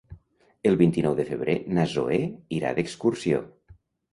El vint-i-nou de febrer na Zoè irà d'excursió.